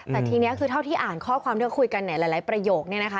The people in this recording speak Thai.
แต่ทีนี้คือเท่าที่อ่านข้อความที่เราคุยกันในหลายประโยคเนี่ยนะคะ